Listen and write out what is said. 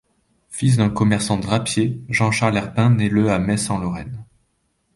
Fils d'un commerçant drapier, Jean-Charles Herpin naît le à Metz en Lorraine.